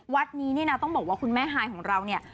วัดนี้นี่นะต้องบอกว่าคุณแม่ฮายของเราเนี่ย